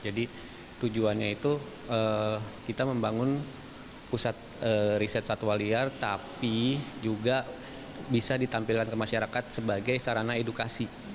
jadi tujuannya itu kita membangun pusat riset satwa liar tapi juga bisa ditampilkan ke masyarakat sebagai sarana edukasi